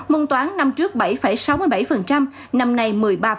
môn toán năm trước bảy sáu mươi bảy năm nay một mươi ba